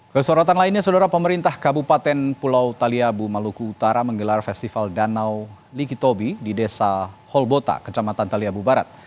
kesorotan lainnya saudara pemerintah kabupaten pulau taliabu maluku utara menggelar festival danau likitobi di desa holbota kecamatan taliabu barat